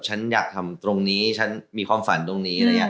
ฉันอยากทำตรงนี้ฉันมีความฝันตรงนี้